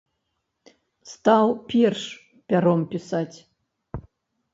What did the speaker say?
Стаў перш пяром пісаць.